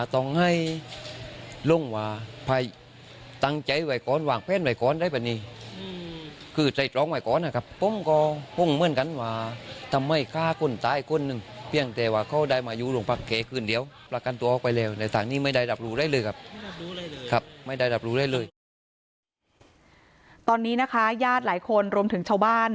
ตอนนี้นะคะญาติหลายคนรวมถึงชาวบ้าน